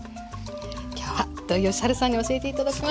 今日は土井善晴さんに教えて頂きました。